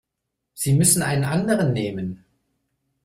Sie müssen einen anderen nehmen.